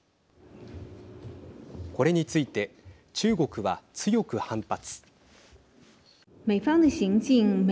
これについて中国は強く反発。